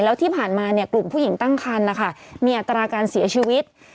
แล้วที่ผ่านมาเนี่ยกลุ่มผู้หญิงตั้งคันนะคะมีอัตราการเสียชีวิต